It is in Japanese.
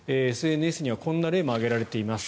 ＳＮＳにはこんな例も挙げられています。